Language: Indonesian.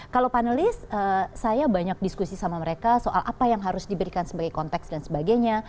kalau panelis saya banyak diskusi sama mereka soal apa yang harus diberikan sebagai konteks dan sebagainya